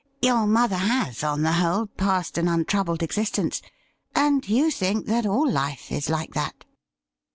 * Your mother has, on the whole, passed an untroubled existence, and you think that all life is like that.'